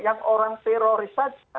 yang orang teroris saja